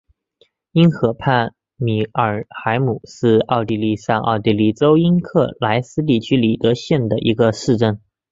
因河畔米尔海姆是奥地利上奥地利州因克赖斯地区里德县的一个市镇。